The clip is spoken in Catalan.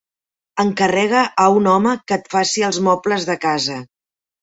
Encarrega a un home que et faci els mobles de casa.